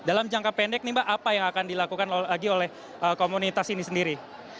dan dalam jangka pendek nih mbak apa yang akan dilakukan lagi oleh komunitas ini sendiri